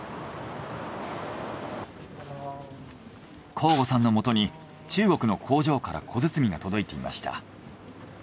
向後さんのもとに中国の工場から小包が届いていました。